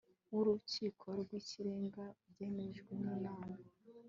w urukiko rw ikirenga byemejwe n inama